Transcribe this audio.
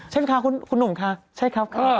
ใช่ไมค่ะคุณหนุ่มคะใช่ครับค่ะ